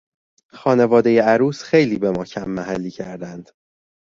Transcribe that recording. خانوادهی عروس خیلی به ما کم محلی کردند.